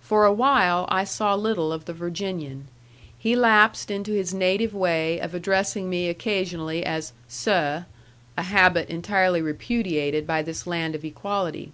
For a while I saw little of the Virginian. He lapsed into his native way of addressing me occasionally as "seh" a habit entirely repudiated by this land of equality.